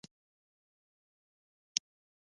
د پي ایچ متر څه دنده لري.